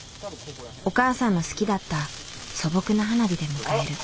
お母さんの好きだった素朴な花火で迎える。